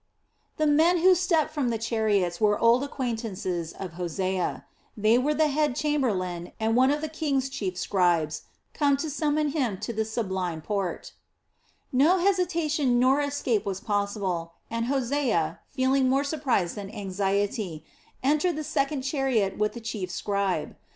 The men who stepped from the chariots were old acquaintances of Hosea. They were the head chamberlain and one of the king's chief scribes, come to summon him to the Sublime Porte. [Palace of the king. The name of Pharaoh means "the Sublime Porte."] No hesitation nor escape was possible, and Hosea, feeling more surprise than anxiety, entered the second chariot with the chief scribe.